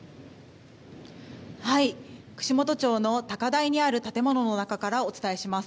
串本町の高台にある建物の中からお伝えします。